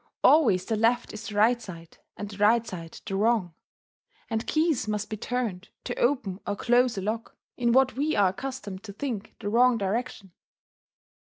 Always the left is the right side, and the right side the wrong; and keys must be turned, to open or close a lock, in what we are accustomed to think the wrong direction.